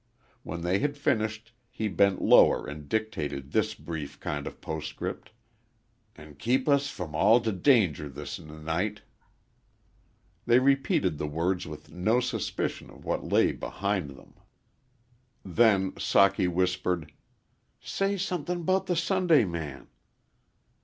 When they had finished he bent lower and dictated this brief kind of postscript, "An' keep us from all d danger this n night." They repeated the words with no suspicion of what lay behind them. Then Socky whispered, "Say something 'bout the Sundayman."